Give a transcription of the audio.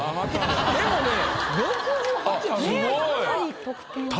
でもね６８あるんですよ。